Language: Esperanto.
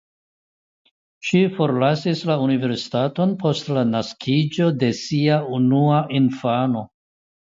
Ŝi forlasis la universitaton post la naskiĝo de sia unua infano.